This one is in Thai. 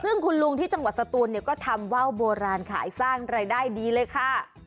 ซึ่งคุณลุงที่จังหวัดสตูนเนี่ยก็ทำว่าวโบราณขายสร้างรายได้ดีเลยค่ะ